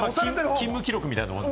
勤務記録みたいなもん。